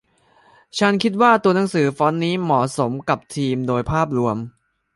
ฉันคิดว่าตัวหนังสือฟอนต์นี้เหมาะสมกับธีมโดยภาพรวม